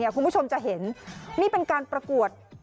คุณผู้ชมจะเห็นนี่เป็นการประกวด